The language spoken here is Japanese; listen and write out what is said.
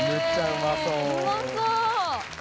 うまそう。